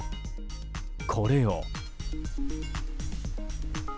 これを。